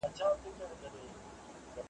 څوك مي غلا څوك مي زنا ته هڅولي `